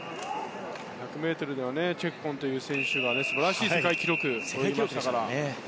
１００ｍではチェッコンという選手が素晴らしい世界記録を出しましたから。